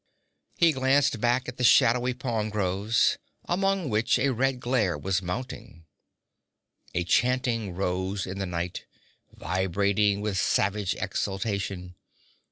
He glanced back at the shadowy palm groves, among which a red glare was mounting. A chanting rose to the night, vibrating with savage exultation.